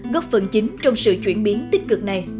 góp phần chính trong sự chuyển biến tích cực này